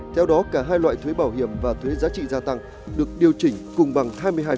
theo đó cả hai loại thuế bảo hiểm và thuế giá trị gia tăng được điều chỉnh cùng bằng hai mươi hai